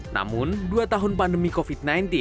namun dua tahun pandemi covid sembilan belas